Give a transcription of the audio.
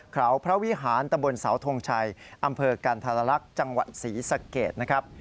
เขาพระวิหารตะบนเสาทงชัยอำเภอกันธรรลักษณ์จังหวัดศรีสะเกดนะครับ